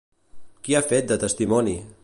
Qui ha fet de testimoni?